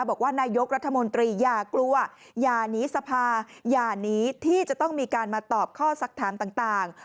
บอกว่านายกรัฐมนตรีอย่ากลัวอย่าหนีสภาอย่านี้ที่จะต้องมีการมาตอบข้อสักถามต่าง